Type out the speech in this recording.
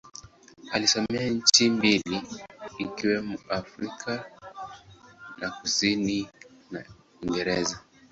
Alisomea nchi mbili ikiwemo Afrika Kusini na Uingereza.